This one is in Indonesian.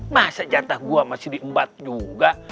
masa jantah gua masih diembat juga